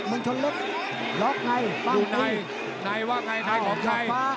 มองจันทร์เล็กล็อกในตั้งปิ๊งดูในในว่าไงในของใคร